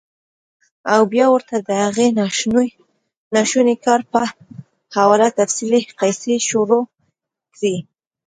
او بيا ورته د هغې ناشوني کار پۀ حواله تفصيلي قيصې شورو کړي -